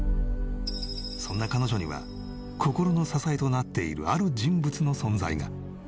そんな彼女には心の支えとなっているある人物の存在が。